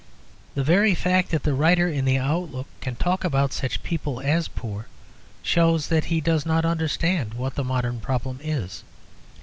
The very fact that the writer in the Outlook can talk about such people as poor shows that he does not understand what the modern problem is.